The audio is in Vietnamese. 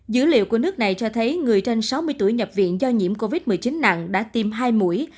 dữ liệu của nước này cho thấy người trên sáu mươi tuổi nhập viện do nhiễm covid một mươi chín nặng đã tiêm hai mũi